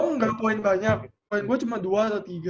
gue gak poin banyak poin gue cuma dua atau tiga